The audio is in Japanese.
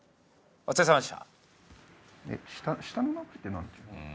お疲れさまでした！